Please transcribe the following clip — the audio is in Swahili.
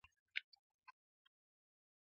Na mwaka uliofuata, elfu moja mia tisa sitini na saba